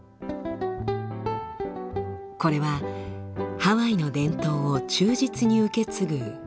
これはハワイの伝統を忠実に受け継ぐ夫婦のお話。